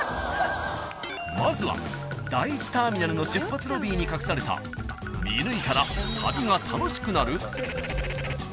［まずは第１ターミナルの出発ロビーに隠された見抜いたら］